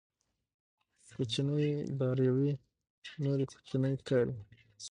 کوچنيې داراییو نورې کوچنۍ ښکاري.